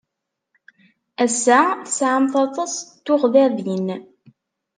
Ass-a, tesɛamt aṭas n tuɣdaḍin.